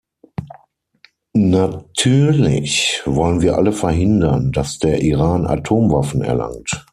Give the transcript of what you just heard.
Natürlich wollen wir alle verhindern, dass der Iran Atomwaffen erlangt.